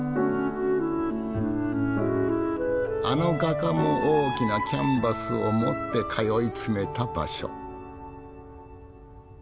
あの画家も大きなキャンバスを持って通い詰めた場所。